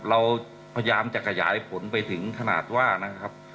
เราพยายามจะขยายผลไปถึงขนาดว่านะครับ